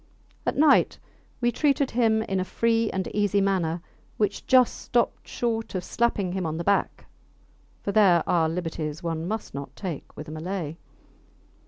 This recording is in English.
At night we treated him in a free and easy manner, which just stopped short of slapping him on the back, for there are liberties one must not take with a Malay.